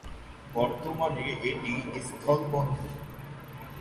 বর্তমানে এটি স্থলবন্দর।